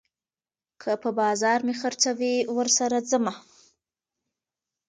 که په بازار مې خرڅوي، ورسره ځمه